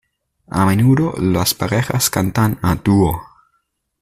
A menudo las parejas cantan a dúo.